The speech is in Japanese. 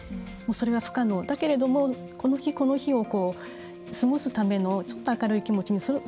それは不可能だけれどもこの日この日を過ごすためのちょっと明るい気持ちにする。